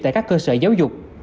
tại các cơ sở giáo dục